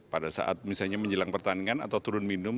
pada saat misalnya menjelang pertandingan atau turun minum